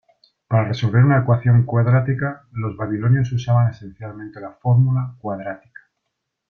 Para resolver una ecuación cuadrática, los babilonios usaban esencialmente la fórmula cuadrática.